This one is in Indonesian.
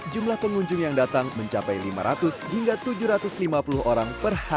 jumlah pengunjung yang datang mencapai lima ratus hingga tujuh ratus lima puluh orang